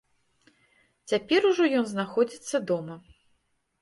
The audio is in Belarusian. Цяпер ужо ён знаходзіцца дома.